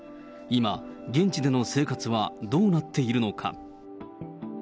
今、現地での生活はどうなっているのか。